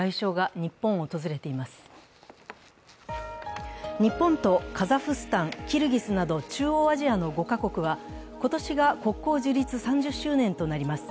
日本とカザフスタン、キルギスなど中央アジアの５か国は今年が国交樹立３０周年となります。